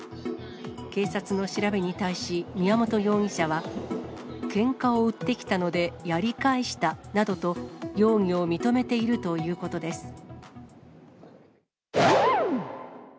警察の調べに対し、宮本容疑者は、けんかを売ってきたのでやり返したなどと、容疑を認めているということです。